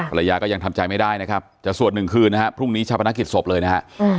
ระยะก็ยังทำใจไม่ได้นะครับจะสวดหนึ่งคืนนะฮะพรุ่งนี้ชาวพนักกิจศพเลยนะฮะ